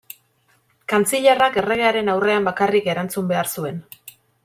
Kantzilerrak, erregearen aurrean bakarrik erantzun behar zuen.